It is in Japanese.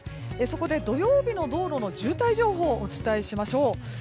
そこで土曜日の道路の渋滞情報をお伝えします。